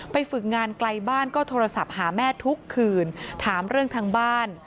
ฝึกงานไกลบ้านก็โทรศัพท์หาแม่ทุกคืนถามเรื่องทางบ้าน